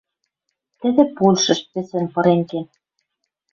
Тӹдӹ Польшыш пӹсӹн пырен кен.